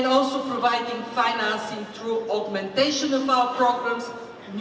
dan juga memberikan finansi dengan menguatkan program program kita